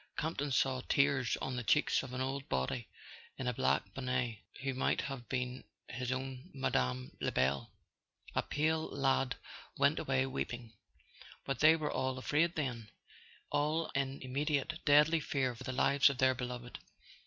Camp ton saw tears on the cheeks of an old body in a black bonnet who might have been his own Mme. Lebel. A pale lad went away weeping. But they were all afraid, then, all in immediate deadly fear for the lives of their beloved!